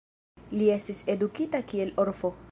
Li estis edukita kiel orfo.